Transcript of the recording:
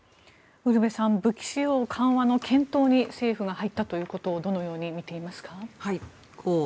ウルヴェさん武器使用緩和の検討に政府が入ったということをどのように見ていますか？